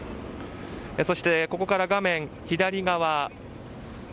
そして、ここから画面左側